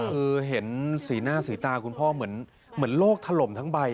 คือเห็นสีหน้าสีตาคุณพ่อเหมือนโลกถล่มทั้งใบ